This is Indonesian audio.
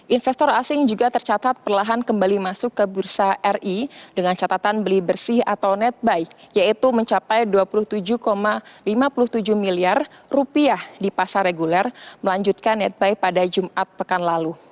investor asing juga tercatat perlahan kembali masuk ke bursa ri dengan catatan beli bersih atau netbuy yaitu mencapai rp dua puluh tujuh lima puluh tujuh miliar rupiah di pasar reguler melanjutkan netbuy pada jumat pekan lalu